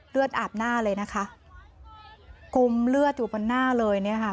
เลือดอาบหน้าเลยนะคะกมเลือดอยู่บนหน้าเลยเนี่ยค่ะ